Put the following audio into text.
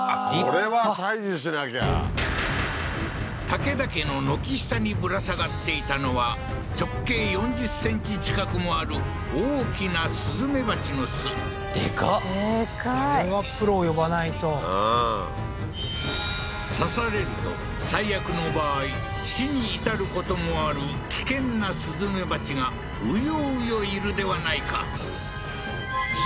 これは退治しなきゃ武田家の軒下にぶら下がっていたのは直径４０ｃｍ近くもある大きなスズメバチの巣でかっでかいあれはプロを呼ばないとうん刺されると最悪の場合死に至ることもある危険なスズメバチがうようよいるではないか